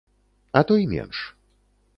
А то і менш.